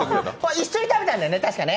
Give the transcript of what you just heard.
一緒に食べたんだよね、たしかね。